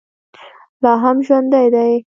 لا هم ژوندی دی.